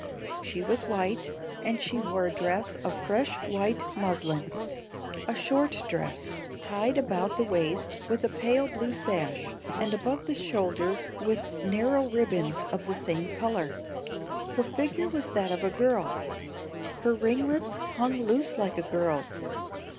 She was white, and she wore a dress of fresh white muslin; a short dress, tied about the waist with a pale blue sash, and above the shoulders with narrow ribbons of the same colour. Her figure was that of a girl; her ringlets hung loose like a girl's.